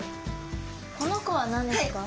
この子は何ですか？